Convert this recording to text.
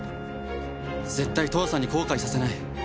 絶対父さんに後悔させない。